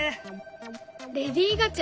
レディー・ガチャ！